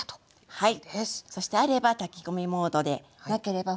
はい。